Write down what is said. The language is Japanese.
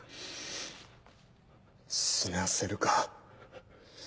死なせるか。